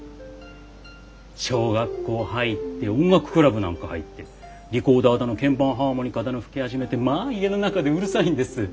小学校入って音楽クラブなんか入ってリコーダーだの鍵盤ハーモニカだの吹き始めてまあ家の中でうるさいんです。